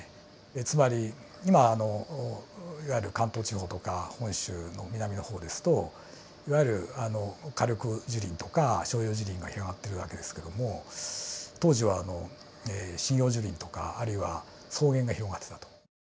つまり今いわゆる関東地方とか本州の南の方ですといわゆる夏緑樹林とか照葉樹林が広がっている訳ですけども当時は針葉樹林とかあるいは草原が広がってたと。